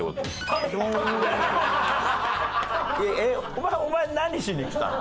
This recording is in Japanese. お前お前何しに来たの？